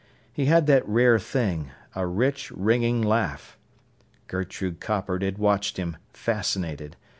He had that rare thing, a rich, ringing laugh. Gertrude Coppard had watched him, fascinated.